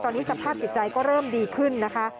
ตอนนี้สภาพจิตใจก็เริ่มดีขึ้นนะคะ